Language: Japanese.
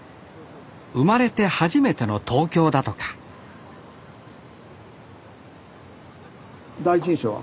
生まれて初めての東京だとか第一印象は？